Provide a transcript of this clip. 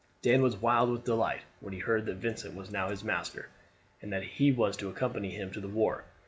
Dan was wild with delight when he heard that Vincent was now his master, and that he was to accompany him to the war.